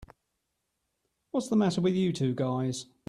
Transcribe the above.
What's the matter with you two guys?